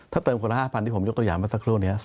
ถ้าเติมคนละ๕๐๐ที่ผมยกตัวอย่างเมื่อสักครู่นี้